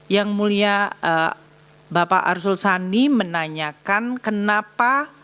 yang mulia bapak arsul sandi menanyakan kenapa